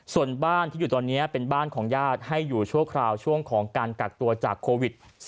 ส่วนบ้านที่อยู่ตอนนี้เป็นบ้านของญาติให้อยู่ชั่วคราวช่วงของการกักตัวจากโควิด๑๙